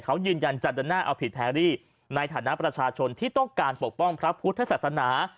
เขายืนยันจะเดินหน้าเอาผิดแพรรี่ในฐานะประชาชนที่ต้องการปกป้องพระพุทธศาสนา